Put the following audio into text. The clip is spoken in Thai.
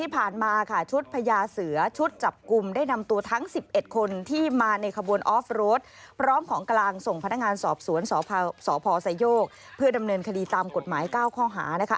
เพื่อดำเนินคดีตามกฎหมาย๙ข้อหานะคะ